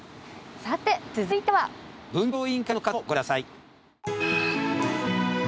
さて続いては？文教委員会の活動をご覧ください。